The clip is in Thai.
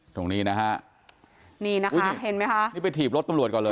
ตรงนี้นะฮะนี่นะคะเห็นไหมคะนี่ไปถีบรถตำรวจก่อนเลย